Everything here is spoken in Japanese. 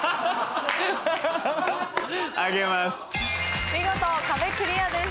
あげます。